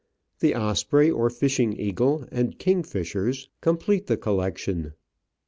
The osprey, or fishing eagle, and kingfishers complete the collection.